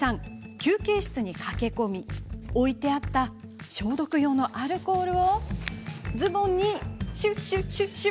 休憩室に駆け込み、置いてあった消毒用のアルコールをズボンにシュッシュッシュッ。